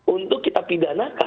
untuk kita pidanakan